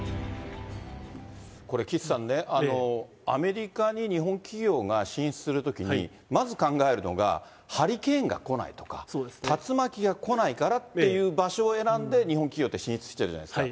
これ、岸さんね、アメリカに日本企業が進出するときに、まず考えるのが、ハリケーンが来ないとか、竜巻が来ないからっていう場所を選んで日本企業って進出してるじゃないですか。